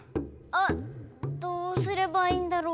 あどうすればいいんだろう？